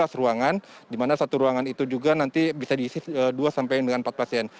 empat belas ruangan di mana satu ruangan itu juga nanti bisa diisi dua sampai dengan empat pasien